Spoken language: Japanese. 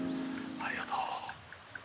ありがとう。